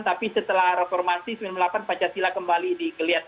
tapi setelah reformasi sembilan puluh delapan pancasila kembali dikelihatkan